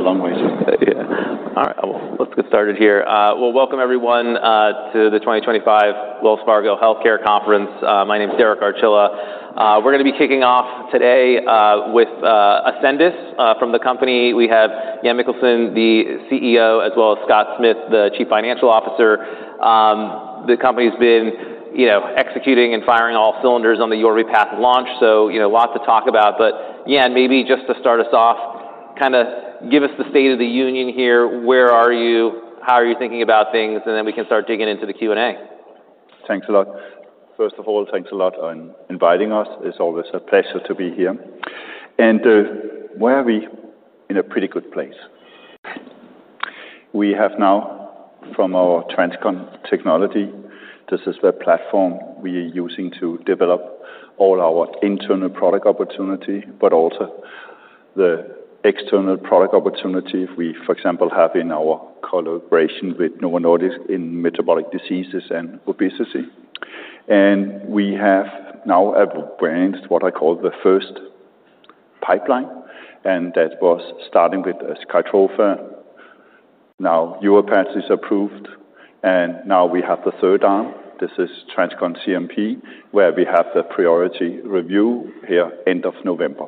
It's a long way to say, yeah. All right. Let's get started here. Welcome everyone to the 2025 Wells Fargo Healthcare Conference. My name is Derek Archila. We're going to be kicking off today with Ascendis Pharma. From the company, we have Jan Mikkelsen, the CEO, as well as Scott Smith, the Chief Financial Officer. The company's been executing and firing on all cylinders on the YORVIPATH launch. You know, lots to talk about. Jan, maybe just to start us off, kind of give us the state of the union here. Where are you? How are you thinking about things? Then we can start digging into the Q&A. Thanks a lot. First of all, thanks a lot on inviting us. It's always a pleasure to be here. Where are we? In a pretty good place. We have now, from our TransCon technology, this is the platform we are using to develop all our internal product opportunity, but also the external product opportunity we, for example, have in our collaboration with Novo Nordisk in metabolic diseases and obesity. We have now advanced what I call the first pipeline, and that was starting with SKYTROFA. Now, YORVIPATH is approved, and now we have the third arm. This is TransCon CNP, where we have the priority review here end of November.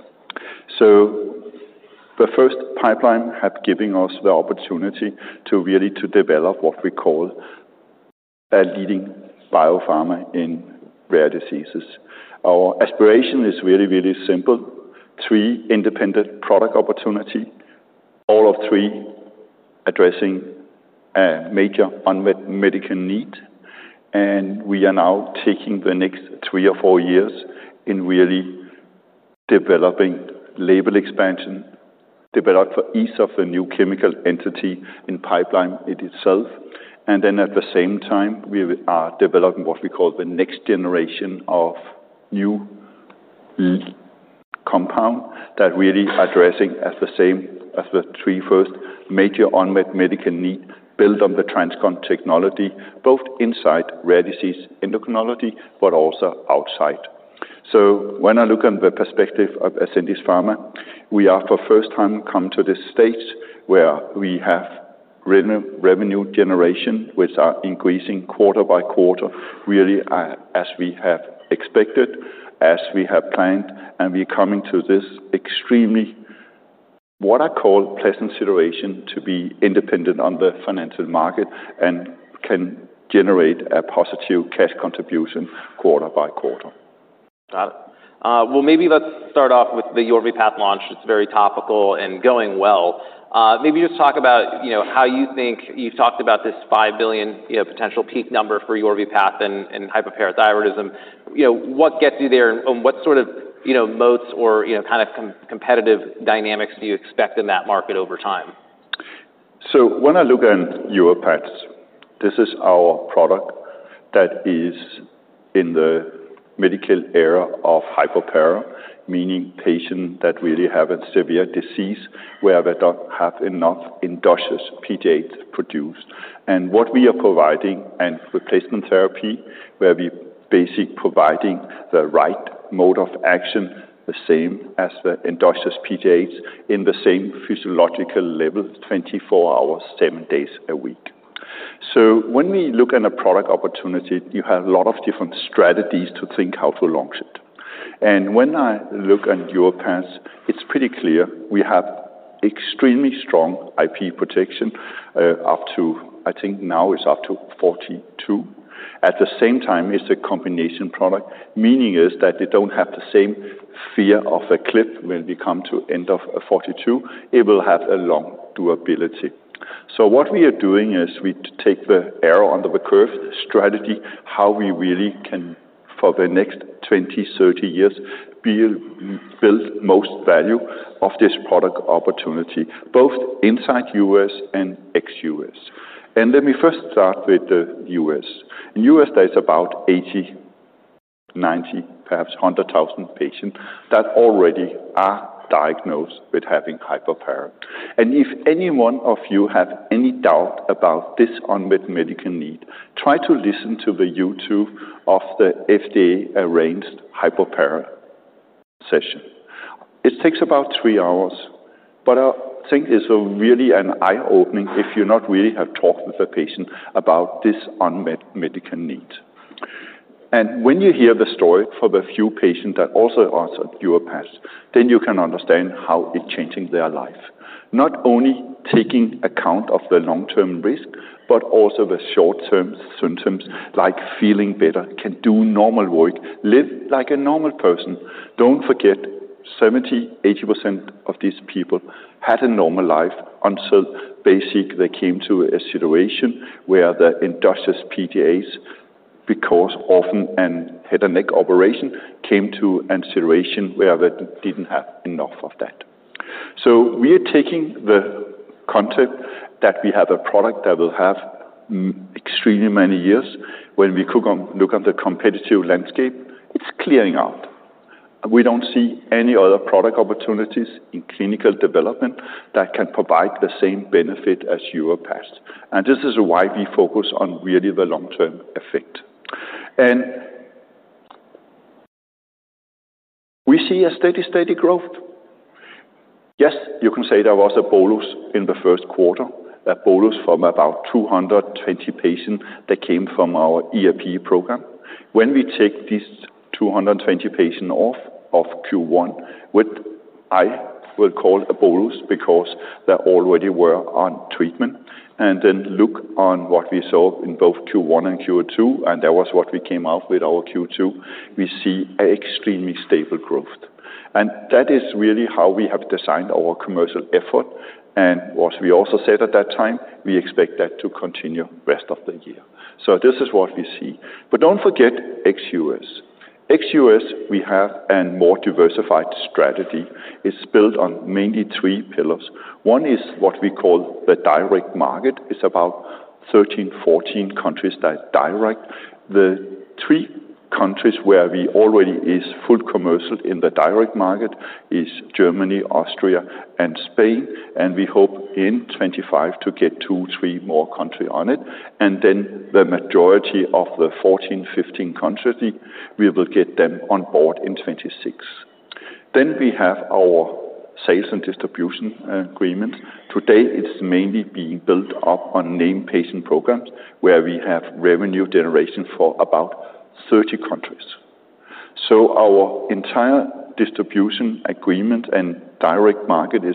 The first pipeline had given us the opportunity to really develop what we call a leading biopharma in rare diseases. Our aspiration is really, really simple: three independent product opportunities, all of three addressing a major unmet medical need. We are now taking the next three or four years in really developing label expansion, developing for each of the new chemical entities in the pipeline itself. At the same time, we are developing what we call the next generation of new compounds that really address, at the same as the three first, major unmet medical needs, built on the TransCon technology, both inside rare disease endocrinology, but also outside. When I look at the perspective of Ascendis Pharma, we are for the first time come to this stage where we have revenue generation, which are increasing quarter by quarter, really as we have expected, as we have planned. We are coming to this extremely, what I call, pleasant situation to be independent on the financial market and can generate a positive cash contribution quarter by quarter. Got it. Maybe let's start off with the YORVIPATH launch. It's very topical and going well. Maybe just talk about how you think you've talked about this $5 billion potential peak number for YORVIPATH and hypoparathyroidism. What gets you there and what sort of moats or kind of competitive dynamics do you expect in that market over time? When I look at YORVIPATH, this is our product that is in the medical era of hypoparathyroidism, meaning patients that really have a severe disease where they don't have enough endogenous PTH produced. What we are providing is replacement therapy, where we are basically providing the right mode of action, the same as the endogenous PTH, in the same physiological level, 24 hours, seven days a week. When we look at a product opportunity, you have a lot of different strategies to think how to launch it. When I look at YORVIPATH, it's pretty clear we have extremely strong IP protection up to, I think now it's up to 2042. At the same time, it's a combination product, meaning that they don't have the same fear of a cliff when we come to the end of 2042. It will have a long durability. What we are doing is we take the area under the curve strategy, how we really can, for the next 20, 30 years, build the most value of this product opportunity, both inside the U.S. and ex-U.S. Let me first start with the U.S. In the U.S., there's about 80,000, 90,000, perhaps 100,000 patients that already are diagnosed with having hypoparathyroidism. If any one of you has any doubt about this unmet medical need, try to listen to the YouTube of the FDA-arranged hypoparathyroidism session. It takes about three hours, but I think it's really an eye-opening if you have not really talked with a patient about this unmet medical need. When you hear the story from a few patients that also are on YORVIPATH, then you can understand how it changes their life. Not only taking account of the long-term risk, but also the short-term symptoms like feeling better, can do normal work, live like a normal person. Don't forget, 70%, 80% of these people had a normal life until basically they came to a situation where the endogenous PTH, because often a head and neck operation, came to a situation where they didn't have enough of that. We are taking the concept that we have a product that will have extremely many years. When we look at the competitive landscape, it's clearing out. We don't see any other product opportunities in clinical development that can provide the same benefit as YORVIPATH. This is why we focus on really the long-term effect. We see a steady, steady growth. Yes, you can say there was a bolus in the first quarter, a bolus from about 220 patients that came from our ERP program. When we take these 220 patients off of Q1, which I will call a bolus because they already were on treatment, and then look on what we saw in both Q1 and Q2, and that was what we came out with our Q2, we see an extremely stable growth. That is really how we have designed our commercial effort. What we also said at that time, we expect that to continue the rest of the year. This is what we see. Don't forget ex-U.S. Ex-U.S., we have a more diversified strategy. It's built on mainly three pillars. One is what we call the direct market. It's about 13, 14 countries that are direct. The three countries where we already are full commercial in the direct market are Germany, Austria, and Spain. We hope in 2025 to get two, three more countries on it. The majority of the 14, 15 countries, we will get them on board in 2026. We have our sales and distribution agreements. To date, it's mainly being built up on a named patient program where we have revenue generation for about 30 countries. Our entire distribution agreement and direct market is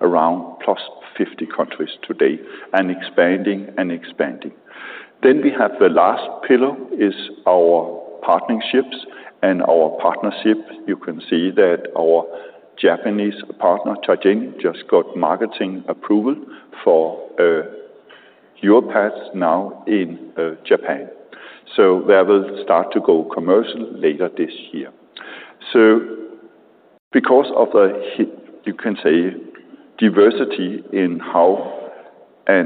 around + 50 countries today and expanding and expanding. The last pillar is our partnerships. Our partnership, you can see that our Japanese partner, Teijin, just got marketing approval for YORVIPATH now in Japan. That will start to go commercial later this year. Because of the, you can say, diversity in how a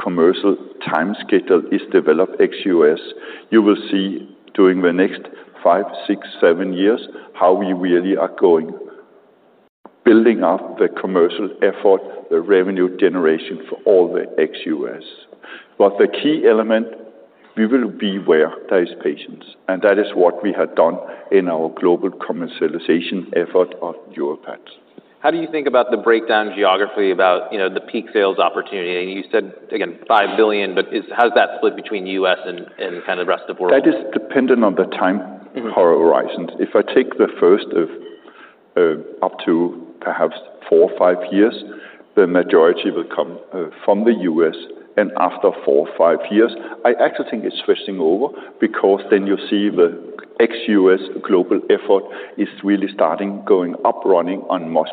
commercial time schedule is developed ex-U.S., you will see during the next five, six, seven years how we really are going building up the commercial effort, the revenue generation for all the ex-U.S. The key element, we will be where there are patients. That is what we have done in our global commercialization effort of YORVIPATH. How do you think about the breakdown geography about the peak sales opportunity? You said, again, $5 billion, but how is that split between the U.S. and kind of the rest of the world? That is dependent on the time horizon. If I take the first of up to perhaps four or five years, the majority will come from the U.S. After four or five years, I actually think it's switching over because you'll see the ex-U.S. global effort is really starting, going up, running at much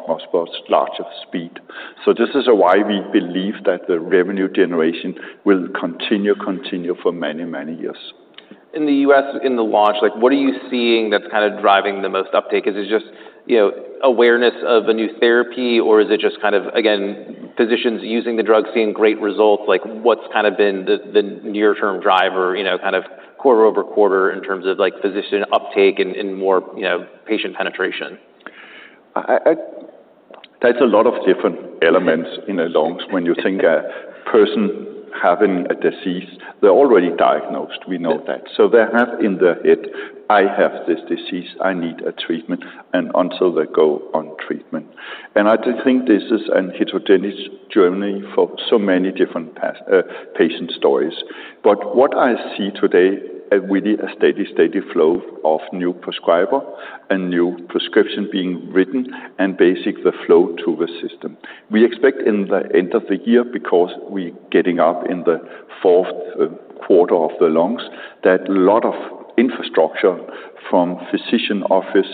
larger speed. This is why we believe that the revenue generation will continue, continue for many, many years. In the U.S., in the launch, what are you seeing that's kind of driving the most uptake? Is it just, you know, awareness of a new therapy, or is it just kind of, again, physicians using the drugs, seeing great results? What's kind of been the near-term driver, you know, quarter -over -quarter in terms of physician uptake and more, you know, patient penetration? That's a lot of different elements in a lung when you think a person having a disease, they're already diagnosed. We know that. They have in their head, I have this disease, I need a treatment, and until they go on treatment. I think this is a heterogeneous journey for so many different patient stories. What I see today is really a steady, steady flow of new prescribers and new prescriptions being written and basically the flow to the system. We expect in the end of the year, because we're getting up in the fourth quarter of the lungs, that a lot of infrastructure from the physician office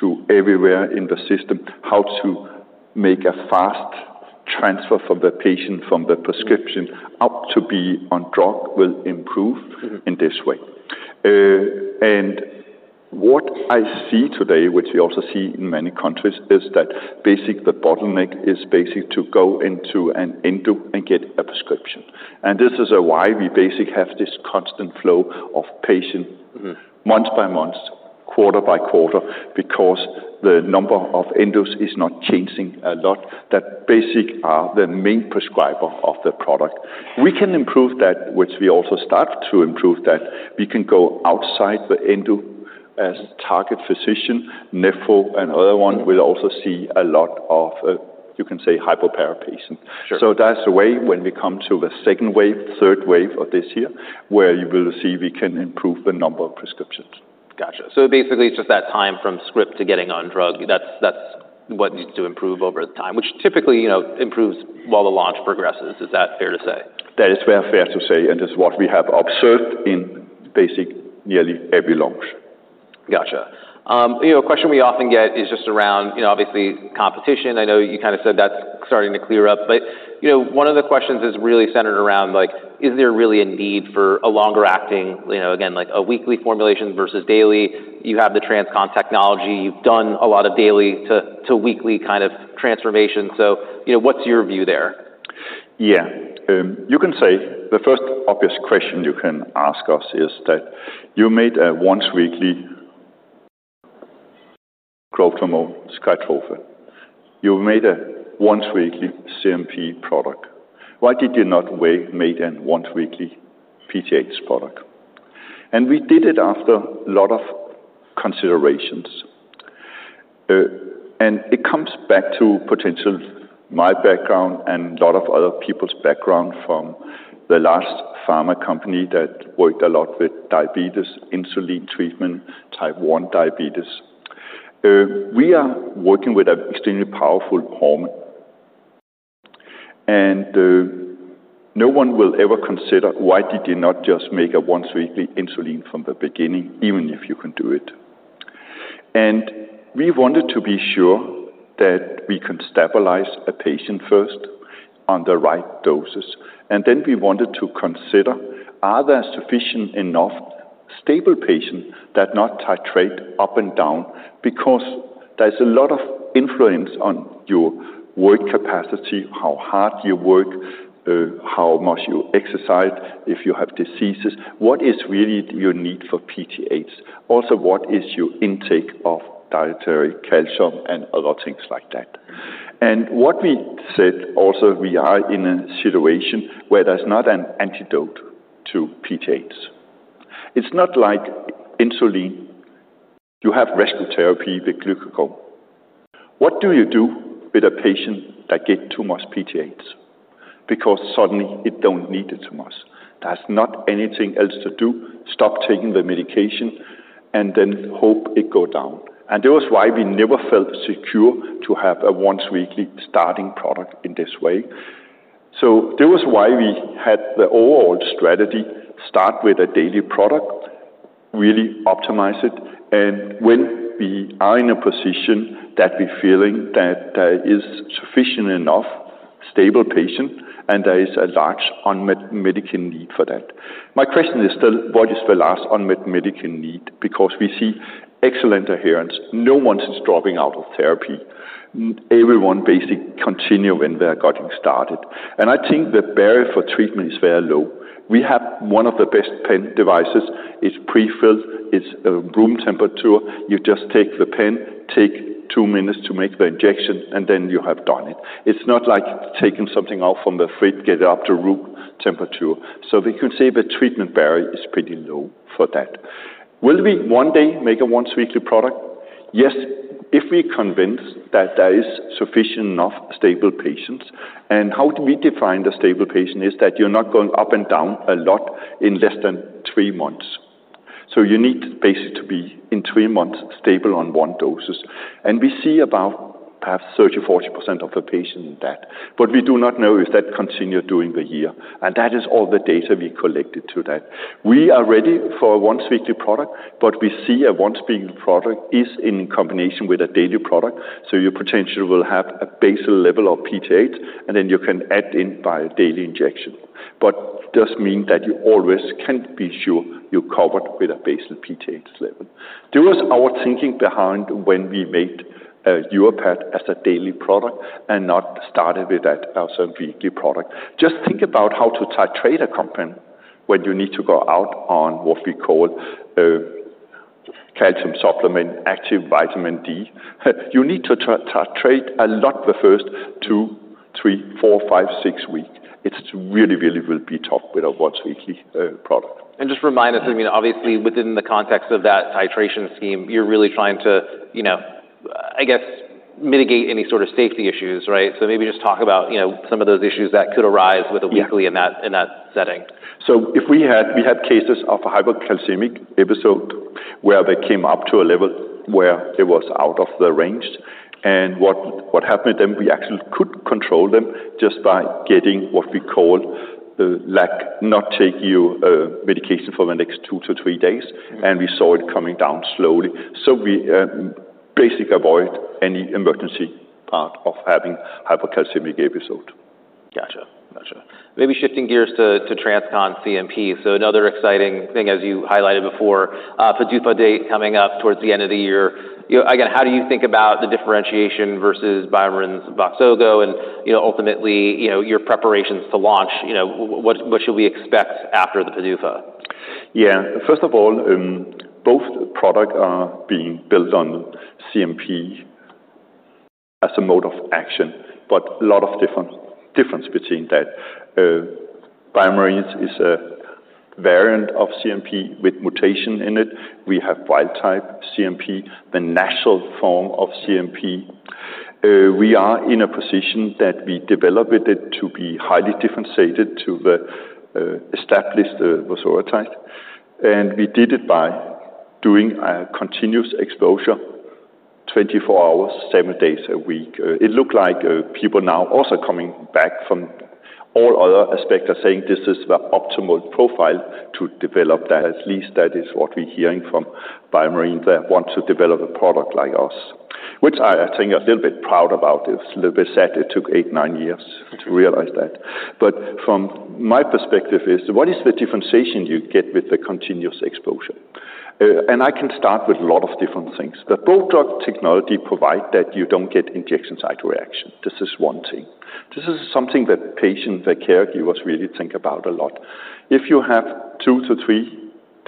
to everywhere in the system, how to make a fast transfer from the patient from the prescription up to be on drug will improve in this way. What I see today, which we also see in many countries, is that basically the bottleneck is basically to go into an endo and get a prescription. This is why we basically have this constant flow of patients month by month, quarter by quarter, because the number of endos is not changing a lot. That basically are the main prescribers of the product. We can improve that, which we also start to improve that. We can go outside the endo as target physician, nephro, and other ones. We also see a lot of, you can say, hypoparathyroidism patients. That's the way when we come to the second wave, third wave of this year, where you will see we can improve the number of prescriptions. Gotcha. Basically, it's just that time from script to getting on drug. That's what needs to improve over time, which typically improves while the launch progresses. Is that fair to say? That is fair to say. It's what we have observed in basically nearly every launch. Gotcha. A question we often get is just around, obviously, competition. I know you kind of said that's starting to clear up. One of the questions is really centered around, like, is there really a need for a longer-acting, you know, again, like a weekly formulation versus daily? You have the TransCon technology. You've done a lot of daily to weekly kind of transformation. What's your view there? Yeah. You can say the first obvious question you can ask us is that you made a once-weekly growth hormone, SKYTROFA. You made a once-weekly CNP product. Why did you not make a once-weekly PTH product? We did it after a lot of considerations. It comes back to potentially my background and a lot of other people's background from the last pharma company that worked a lot with diabetes, insulin treatment, type 1 diabetes. We are working with an extremely powerful hormone. No one will ever consider, why did you not just make a once-weekly insulin from the beginning, even if you can do it? We wanted to be sure that we can stabilize a patient first on the right doses. We wanted to consider, are there sufficient enough stable patients that do not titrate up and down? There is a lot of influence on your work capacity, how hard you work, how much you exercise, if you have diseases, what is really your need for PTH? Also, what is your intake of dietary calcium and other things like that? We said also, we are in a situation where there's not an antidote to PTH. It's not like insulin, you have rescue therapy with glucagon. What do you do with a patient that gets too much PTH? Suddenly they don't need it too much. There's not anything else to do, stop taking the medication, and then hope it goes down. That was why we never felt secure to have a once-weekly starting product in this way. That was why we had the overall strategy, start with a daily product, really optimize it. When we are in a position that we're feeling that there is a sufficient enough stable patient, and there is a large unmet medical need for that. My question is still, what is the last unmet medical need? We see excellent adherence. No one is dropping out of therapy. Everyone basically continues when they're getting started. I think the barrier for treatment is very low. We have one of the best pen devices. It's pre-filled. It's room temperature. You just take the pen, take two minutes to make the injection, and then you have done it. It's not like taking something out from the fridge, get it up to room temperature. We can say the treatment barrier is pretty low for that. Will we one day make a once-weekly product? Yes, if we're convinced that there are sufficient enough stable patients. How do we define the stable patient is that you're not going up and down a lot in less than three months. You need basically to be in three months stable on one dose. We see about perhaps 30%, 40% of the patients in that. What we do not know is that continues during the year, and that is all the data we collected to that. We are ready for a once-weekly product, but we see a once-weekly product is in combination with a daily product. You potentially will have a basal level of PTH, and then you can add in by a daily injection. It does mean that you always can be sure you're covered with a basal PTH level. That was our thinking behind when we made YORVIPATH as a daily product and not started with that as a weekly product. Just think about how to titrate a company when you need to go out on what we call a calcium supplement, active vitamin D. You need to titrate a lot the first two, three, four, five, six weeks. It really, really will be tough with a once-weekly product. Just remind us, obviously within the context of that titration scheme, you're really trying to, I guess, mitigate any sort of safety issues, right? Maybe just talk about some of those issues that could arise with a weekly in that setting. If we had cases of a hypocalcemic episode where they came up to a level where it was out of the range, what happened with them, we actually could control them just by getting what we call, like not taking medication for the next two to three days. We saw it coming down slowly. We basically avoid any emergency part of having a hypocalcemic episode. Gotcha. Gotcha. Maybe shifting gears to TransCon CNP. Another exciting thing, as you highlighted before, FDA PDUFA date coming up towards the end of the year. Again, how do you think about the differentiation versus BioMarin's VOXZOGO, and ultimately, you know, your preparations to launch? What should we expect after the PDUFA? Yeah, first of all, both products are being built on CNP as a mode of action, but a lot of difference between that. BioMarin's is a variant of CNP with mutation in it. We have wild type CNP, the natural form of CNP. We are in a position that we developed it to be highly differentiated to the established, the resource type. We did it by doing a continuous exposure, 24 hours, seven days a week. It looked like people now also coming back from all other aspects are saying this is the optimal profile to develop that. At least that is what we're hearing from BioMarin. They want to develop a product like us, which I think I'm a little bit proud about. It's a little bit sad it took eight, nine years to realize that. From my perspective is what is the differentiation you get with the continuous exposure? I can start with a lot of different things. The product technology provides that you don't get injection site reaction. This is one thing. This is something that patients, the caregivers really think about a lot. If you have two to three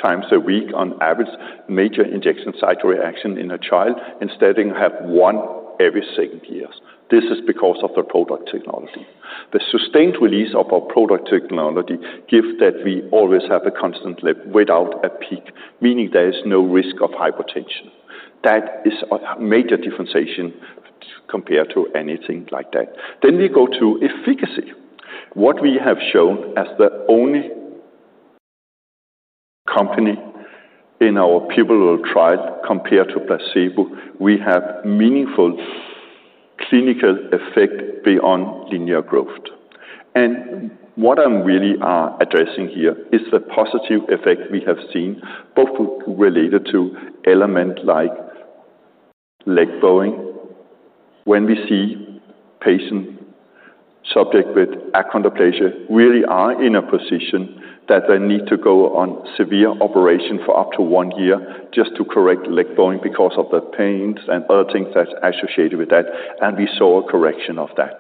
times a week on average major injection site reaction in a child, instead of having one every seven years, this is because of the product technology. The sustained release of our product technology gives that we always have a constant level without a peak, meaning there is no risk of hypotension. That is a major differentiation compared to anything like that. We go to efficacy. What we have shown as the only company in our pivotal trial compared to placebo, we have meaningful clinical effect beyond linear growth. What I'm really addressing here is the positive effect we have seen, both related to elements like leg bowing. When we see patients, subjects with achondroplasia, really are in a position that they need to go on severe operations for up to one year just to correct leg bowing because of the pains and other things that are associated with that. We saw a correction of that,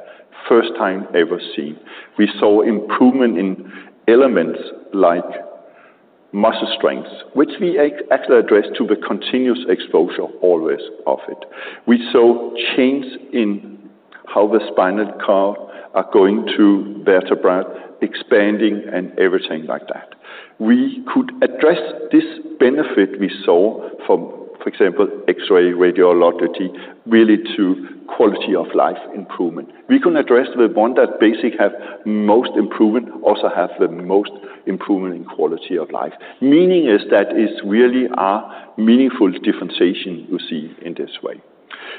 first time ever seen. We saw improvement in elements like muscle strength, which we actually addressed to the continuous exposure always of it. We saw change in how the spinal cord is going to vertebrae, expanding and everything like that. We could address this benefit we saw from, for example, X-ray, radiology, really to quality of life improvement. We can address the ones that basically have most improvement, also have the most improvement in quality of life. Meaning is that it's really a meaningful differentiation you see in this way.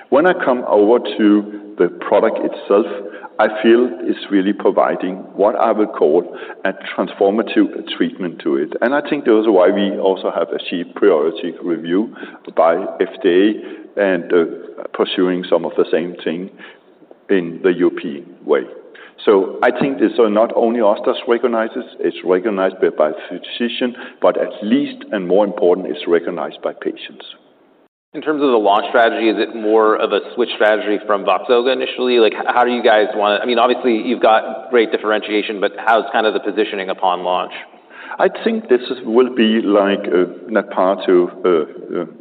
When I come over to the product itself, I feel it's really providing what I would call a transformative treatment to it. I think that's why we also have achieved priority review by the FDA and are pursuing some of the same thing in the European way. I think it's not only us that recognizes it, it's recognized by physicians, but at least, and more important, it's recognized by patients. In terms of the launch strategy, is it more of a switch strategy from VOXZOGO initially? Like, how do you guys want to, I mean, obviously you've got great differentiation, but how's kind of the positioning upon launch? I think this will be like a part of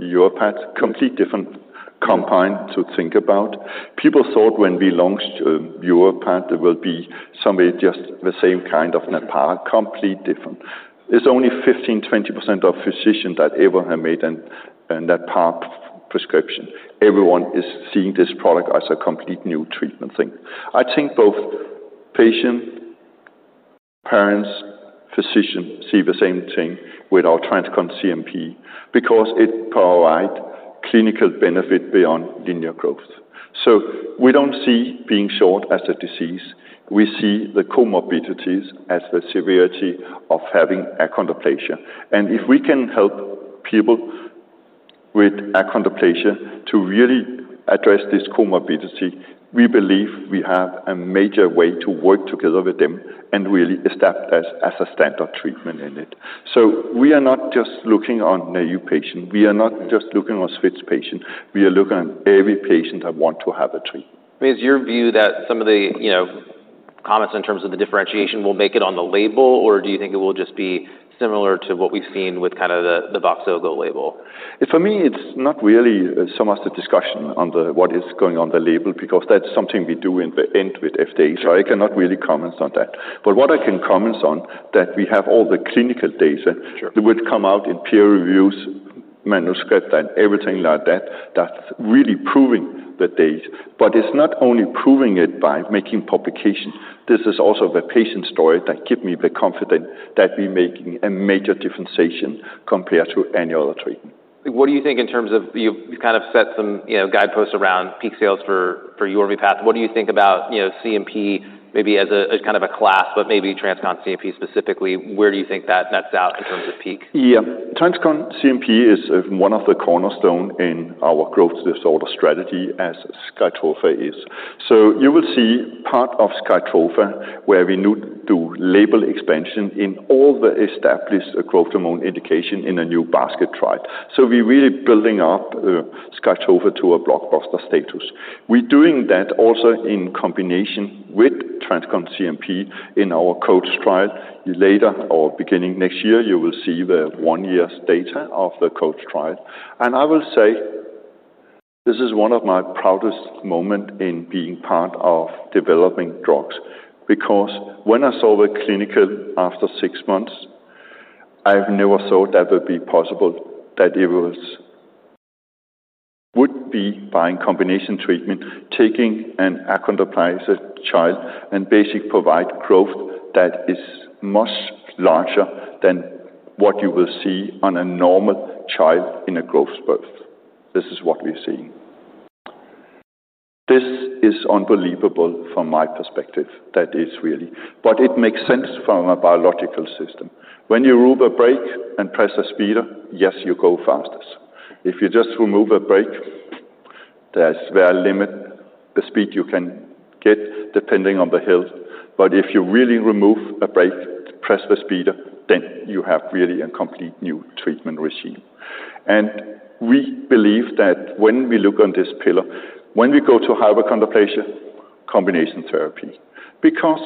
YORVIPATH, completely different combined to think about. People thought when we launched YORVIPATH, there would be somebody just the same kind of that part, completely different. There's only 15%- 20% of physicians that ever have made that part of the prescription. Everyone is seeing this product as a completely new treatment thing. I think both patients, parents, physicians see the same thing with our TransCon CNP because it provides clinical benefit beyond linear growth. We don't see being short as a disease. We see the comorbidities as the severity of having achondroplasia. If we can help people with achondroplasia to really address this comorbidity, we believe we have a major way to work together with them and really establish this as a standard treatment in it. We are not just looking on naive patients. We are not just looking on switch patients. We are looking at every patient that wants to have a treatment. Is your view that some of the comments in terms of the differentiation will make it on the label, or do you think it will just be similar to what we've seen with kind of the VOXZOGO label? For me, it's not really so much the discussion on what is going on the label because that's something we do in the end with the FDA. I cannot really comment on that. What I can comment on is that we have all the clinical data that would come out in peer reviews, manuscripts, and everything like that, that's really proving the data. It's not only proving it by making publications. This is also the patient story that gives me the confidence that we're making a major differentiation compared to any other treatment. What do you think in terms of, you've kind of set some, you know, guideposts around peak sales for YORVIPATH? What do you think about, you know, CNP maybe as a kind of a class, but maybe TransCon CNP specifically? Where do you think that nets out in terms of peak? Yeah, TransCon CNP is one of the cornerstones in our growth disorder strategy as SKYTROFA is. You will see part of SKYTROFA where we do label expansion in all the established growth hormone indications in a new basket trial. We're really building up SKYTROFA to a blockbuster status. We're doing that also in combination with TransCon CNP in our COACH trial. Later or beginning next year, you will see the one-year data of the COACH trial. I will say this is one of my proudest moments in being part of developing drugs because when I saw the clinical after six months, I never thought that would be possible that it would be by combination treatment, taking an achondroplasia child, and basically provide growth that is much larger than what you will see on a normal child in a growth spurt. This is what we're seeing. This is unbelievable from my perspective. That is really, but it makes sense from a biological system. When you remove a brake and press a speeder, yes, you go faster. If you just remove a brake, there's a limit to the speed you can get depending on the hill. If you really remove a brake, press the speeder, then you have really a completely new treatment regime. We believe that when we look on this pillar, when we go to hypochondroplasia, combination therapy, because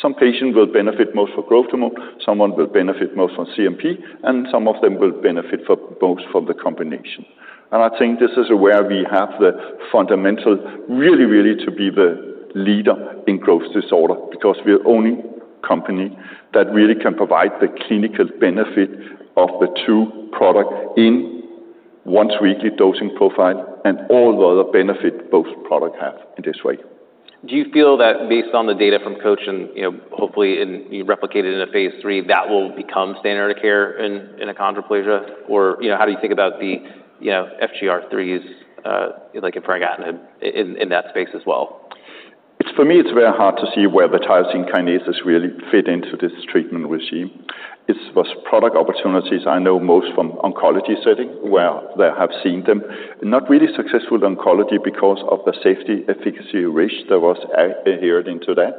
some patients will benefit most from growth hormone, some will benefit most from CNP, and some of them will benefit most from the combination. I think this is where we have the fundamental really, really to be the leader in growth disorder because we're the only company that really can provide the clinical benefit of the two products in a once-weekly dosing profile and all the other benefits both products have in this way. Do you feel that based on the data from COACH and hopefully replicated in a phase three, that will become standard of care in achondroplasia? How do you think about the FGFR3s, like if BioMarin got in that space as well? For me, it's very hard to see where the tyrosine kinases really fit into this treatment regime. It was product opportunities I know most from the oncology setting where they have seen them. Not really successful in oncology because of the safety efficacy risk that was inherited into that.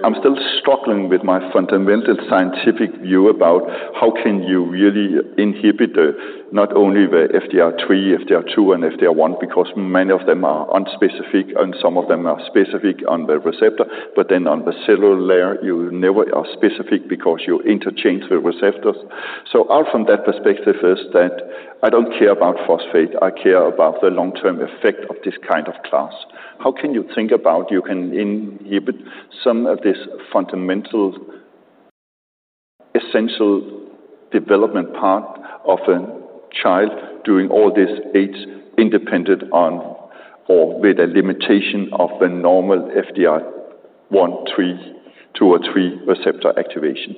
I'm still struggling with my fundamental scientific view about how can you really inhibit not only the FGFR3, FGFR2, and FGFR1 because many of them are unspecific and some of them are specific on the receptor, but then on the cellular layer, you never are specific because you interchange the receptors. Out from that perspective is that I don't care about phosphate. I care about the long-term effect of this kind of class. How can you think about you can inhibit some of this fundamental essential development part of a child during all this age independent on or with a limitation of the normal FGFR1, 3, 2 or 3 receptor activation?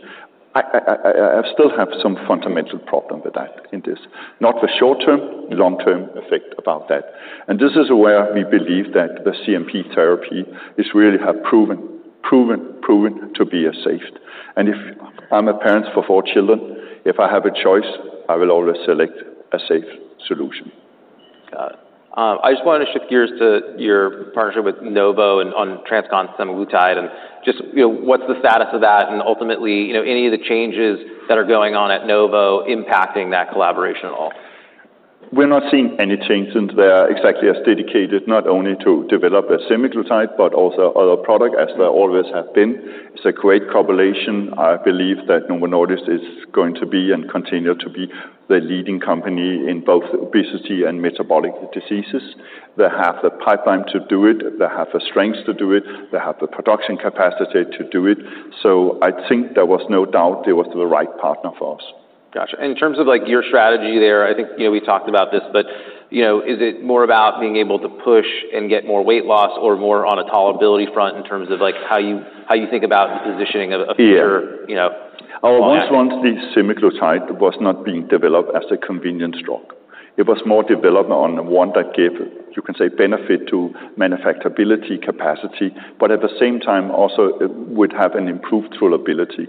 I still have some fundamental problem with that in this. Not the short term, long-term effect about that. This is where we believe that the CNP therapy is really proven, proven, proven to be safe. If I'm a parent for four children, if I have a choice, I will always select a safe solution. Got it. I just wanted to shift gears to your partnership with Novo Nordisk and on TransCon semaglutide, and just, you know, what's the status of that and ultimately, you know, any of the changes that are going on at Novo Nordisk impacting that collaboration at all? We're not seeing any changes, and they're exactly as dedicated not only to develop a semaglutide but also other products as they always have been. It's a great correlation. I believe that Novo Nordisk is going to be and continue to be the leading company in both obesity and metabolic diseases. They have the pipeline to do it. They have the strengths to do it. They have the production capacity to do it. I think there was no doubt they were the right partner for us. Gotcha. In terms of your strategy there, I think we talked about this, but is it more about being able to push and get more weight loss or more on a tolerability front in terms of how you think about the positioning of a pure, you know? Yeah. Our most recent semaglutide was not being developed as a convenience drug. It was more developed on one that gave, you can say, benefit to manufacturability capacity, but at the same time also would have an improved tolerability.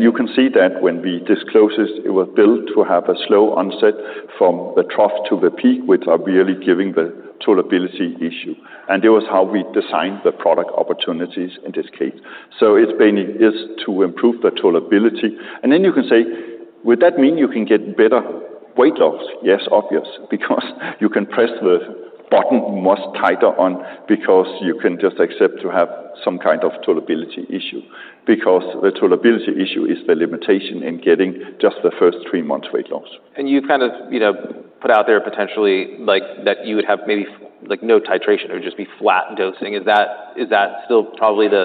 You can see that when we disclosed this, it was built to have a slow onset from the trough to the peak, which is really giving the tolerability issue. That was how we designed the product opportunities in this case. It's been used to improve the tolerability. You can say, would that mean you can get better weight loss? Yes, obvious, because you can press the button much tighter on because you can just accept to have some kind of tolerability issue, because the tolerability issue is the limitation in getting just the first three months weight loss. You have kind of, you know, put out there potentially that you would have maybe no titration. It would just be flat dosing. Is that still probably the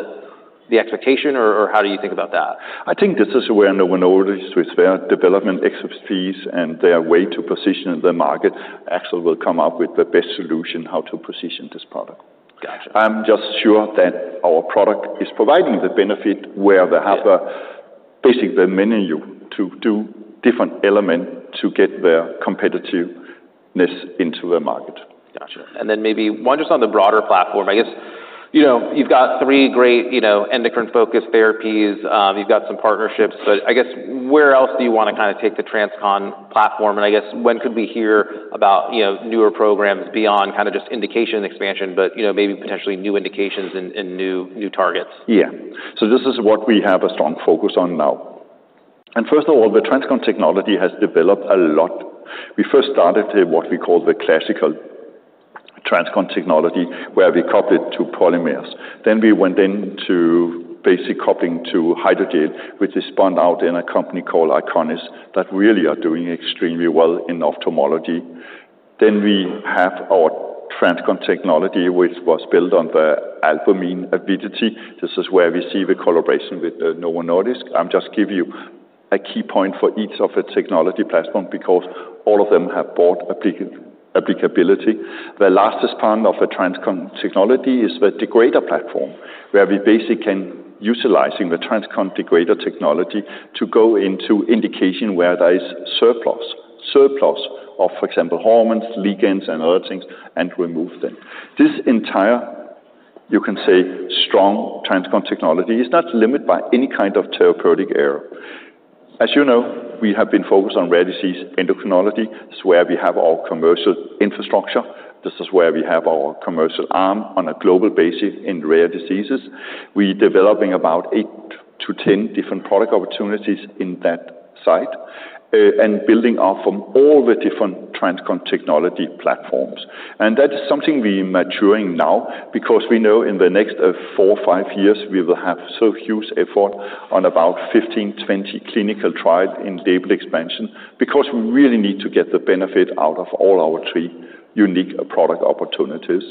expectation, or how do you think about that? I think this is where Novo Nordisk, with their development expertise and their way to position the market, actually will come up with the best solution how to position this product. Gotcha. I'm just sure that our product is providing the benefit where they have basically the menu to do different elements to get their competitiveness into the market. Gotcha. Maybe one just on the broader platform. I guess, you know, you've got three great, you know, endocrine-focused therapies. You've got some partnerships. I guess where else do you want to kind of take the TransCon platform? I guess when could we hear about, you know, newer programs beyond kind of just indication expansion, but, you know, maybe potentially new indications and new targets? Yeah. This is what we have a strong focus on now. First of all, the TransCon technology has developed a lot. We first started in what we call the classical TransCon technology where we coupled it to polymers. We went into basic coupling to hydrogen, which is spun out in a company called Eyconis that really is doing extremely well in ophthalmology. We have our TransCon technology, which was built on the [alpha mine avidity]. This is where we see the collaboration with Novo Nordisk. I'm just giving you a key point for each of the technology platforms because all of them have brought applicability. The latest part of the TransCon technology is the degrader platform where we basically can utilize the TransCon degrader technology to go into indications where there is surplus, surplus of, for example, hormones, ligands, and other things, and remove them. This entire, you can say, strong TransCon technology is not limited by any kind of therapeutic area. As you know, we have been focused on rare disease endocrinology. It's where we have our commercial infrastructure. This is where we have our commercial arm on a global basis in rare diseases. We're developing about eight to 10 different product opportunities in that site and building up from all the different TransCon technology platforms. That is something we're maturing now because we know in the next four or five years, we will have so huge effort on about 15, 20 clinical trials in label expansion because we really need to get the benefit out of all our three unique product opportunities.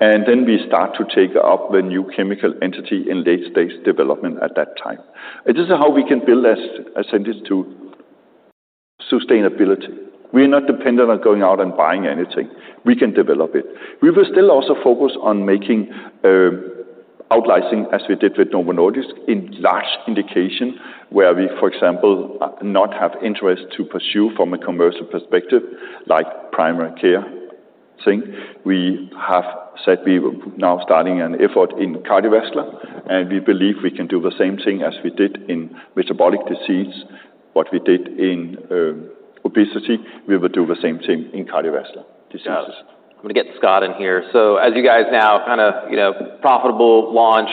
We start to take up the new chemical entity in late-stage development at that time. This is how we can build Ascendis to sustainability. We're not dependent on going out and buying anything. We can develop it. We will still also focus on making out-licensing, as we did with Novo Nordisk, in large indications where we, for example, do not have interest to pursue from a commercial perspective like primary care. We have said we are now starting an effort in cardiovascular, and we believe we can do the same thing as we did in metabolic disease, what we did in obesity. We will do the same thing in cardiovascular diseases. I'm going to get Scott in here. As you guys now kind of, you know, profitable launch,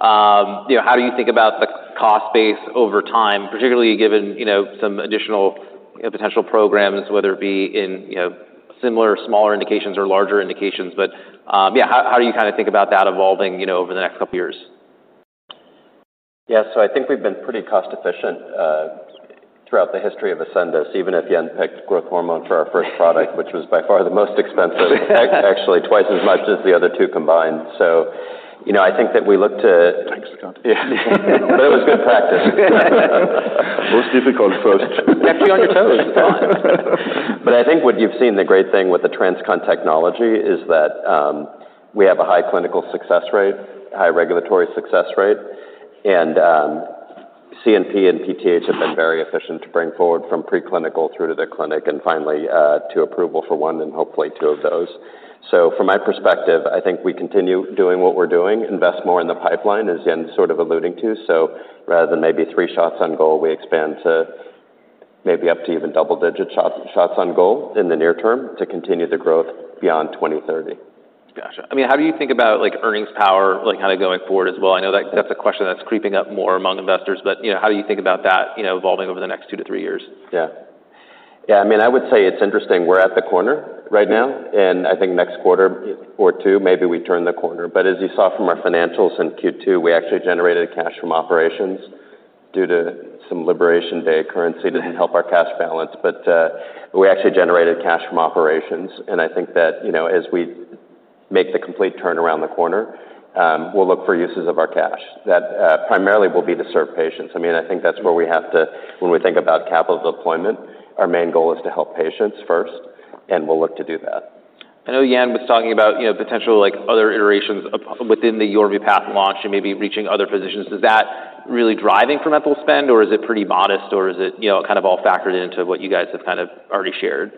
how do you think about the cost base over time, particularly given, you know, some additional potential programs, whether it be in, you know, similar smaller indications or larger indications? How do you kind of think about that evolving, you know, over the next couple of years? Yeah, I think we've been pretty cost-efficient throughout the history of Ascendis Pharma, even at the unpicked growth hormone for our first product, which was by far the most expensive, actually twice as much as the other two combined. I think that we looked to... Thanks, Scott. It was good practice. Most difficult first. Left me on your toes. I think what you've seen, the great thing with the TransCon technology is that we have a high clinical success rate, a high regulatory success rate, and CNP and PTH have been very efficient to bring forward from preclinical through to the clinic and finally to approval for one and hopefully two of those. From my perspective, I think we continue doing what we're doing, invest more in the pipeline, as Jan sort of alluded to. Rather than maybe three shots on goal, we expand to maybe up to even double-digit shots on goal in the near term to continue the growth beyond 2030. Gotcha. How do you think about earnings power, like how they're going forward as well? I know that's a question that's creeping up more among investors, but how do you think about that evolving over the next two to three years? Yeah, I mean, I would say it's interesting. We're at the corner right now, and I think next quarter or two, maybe we turn the corner. As you saw from our financials in Q2, we actually generated cash from operations due to some liberation day currency. It didn't help our cash balance, but we actually generated cash from operations. I think that, you know, as we make the complete turn around the corner, we'll look for uses of our cash. That primarily will be to serve patients. I mean, I think that's where we have to, when we think about capital deployment, our main goal is to help patients first, and we'll look to do that. I know Jan was talking about, you know, potential like other iterations within the YORVIPATH launch and maybe reaching other physicians. Is that really driving for medical spend, or is it pretty modest, or is it, you know, kind of all factored into what you guys have kind of already shared?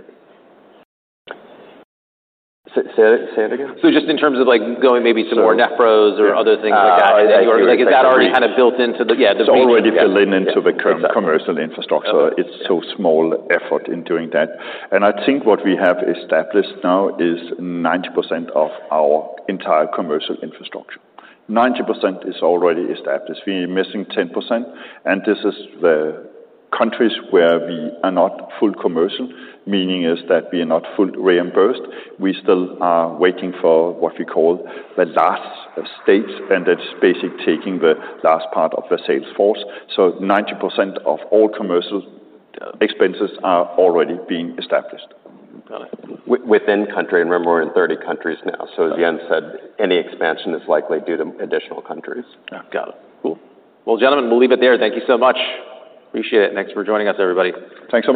Say it again. In terms of like going maybe to more nephros or other things like that, is that already kind of built into the... Yeah, they're already built into the commercial infrastructure. It's so small effort in doing that. I think what we have established now is 90% of our entire commercial infrastructure. 90% is already established. We are missing 10%, and this is the countries where we are not full commercial, meaning that we are not fully reimbursed. We still are waiting for what we call the last states, and that's basically taking the last part of the sales force. 90% of all commercial expenses are already being established. Got it. Within country, and we're in more than 30 countries now. As Jan said, any expansion is likely due to additional countries. Got it. Cool. Gentlemen, we'll leave it there. Thank you so much. Appreciate it. Thanks for joining us, everybody. Thanks a lot.